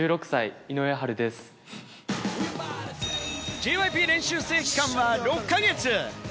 ＪＹＰ練習生期間は６か月。